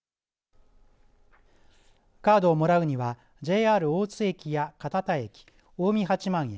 カードをもらうにはＪＲ大津駅や堅田駅近江八幡駅